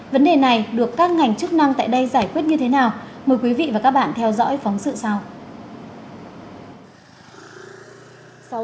vấn đề này được các ngành chức năng tại đây giải quyết như thế nào mời quý vị và các bạn theo dõi phóng sự sau